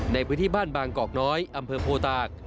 ในพื้นที่บ้านบางกอกน้อยอำเภอโพตาก